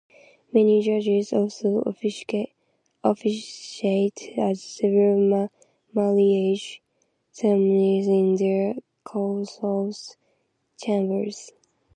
Many judges also officiate at civil marriage ceremonies in their courthouse chambers.